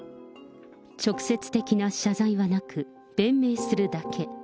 直接的な謝罪はなく、弁明するだけ。